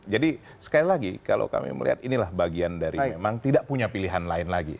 jadi sekali lagi kalau kami melihat inilah bagian dari memang tidak punya pilihan lain lagi